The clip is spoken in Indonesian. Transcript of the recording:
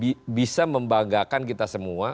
dan evaluasi yang bisa membanggakan kita semua